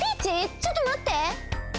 ちょっとまって！